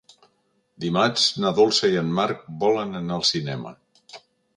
Dimarts na Dolça i en Marc volen anar al cinema.